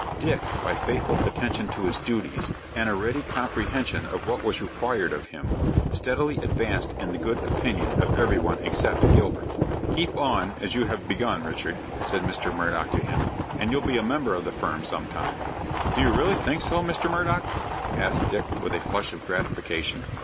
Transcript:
Dick, by faithful attention to his duties, and a ready comprehension of what was required of him, steadily advanced in the good opinion of every one except Gilbert. "Keep on as you have begun, Richard," said Mr. Murdock to him, "and you'll be a member of the firm some time." "Do you really think so, Mr. Murdock?" asked Dick, with a flush of gratification.